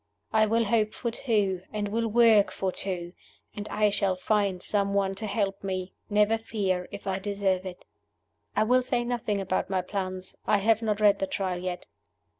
I will hope for two, and will work for two; and I shall find some one to help me never fear if I deserve it. "I will say nothing about my plans I have not read the Trial yet.